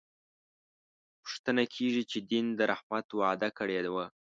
پوښتنه کېږي چې دین د رحمت وعده کړې وه.